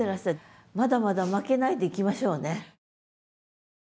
まだまだ負けないでいきましょうね。